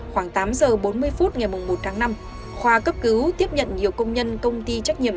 khoảng tám giờ bốn mươi phút ngày một tháng năm khoa cấp cứu tiếp nhận nhiều công nhân công ty trách nhiệm